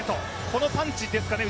このパンチですかね。